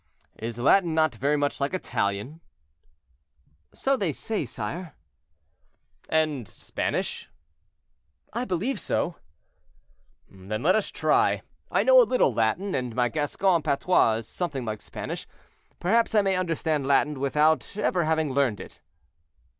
"Is Latin not very much like Italian?" "So they say, sire." "And Spanish?" "I believe so." "Then let us try. I know a little Italian, and my Gascon patois is something like Spanish: perhaps I may understand Latin without ever having learned it."